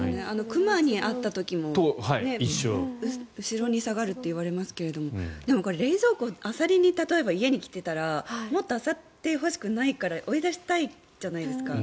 熊に会った時も後ろに下がるって言われますけどでも、例えば冷蔵庫をあさりに家に来てたらもっとあさってほしくないから追い出したいじゃないですか。